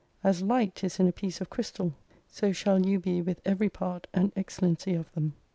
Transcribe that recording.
As light is in a piece of crystal, so shall you be with every part and excellency of them.